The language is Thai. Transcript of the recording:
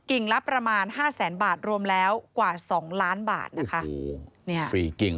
ละประมาณห้าแสนบาทรวมแล้วกว่าสองล้านบาทนะคะโอ้โหเนี่ยสี่กิ่ง